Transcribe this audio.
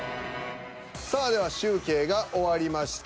さあでは集計が終わりました。